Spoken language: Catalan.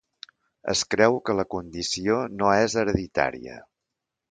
Es creu que la condició no és hereditària.